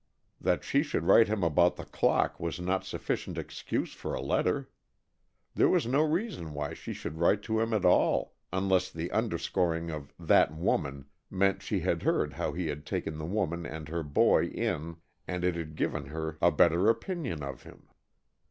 That she should write him about the clock was not sufficient excuse for a letter. There was no reason why she should write to him at all, unless the underscoring of "that woman" meant she had heard how he had taken the woman and her boy in and it had given her a better opinion of him.